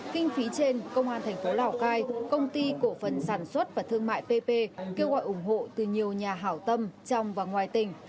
kinh phí trên công an thành phố lào cai công ty cổ phần sản xuất và thương mại pp kêu gọi ủng hộ từ nhiều nhà hảo tâm trong và ngoài tỉnh